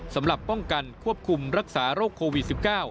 สำหรับป้องกันควบคุมรักษาโรคโควิด๑๙